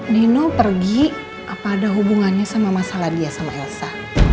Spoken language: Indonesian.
dino pergi apa ada hubungannya sama masalah dia sama elsa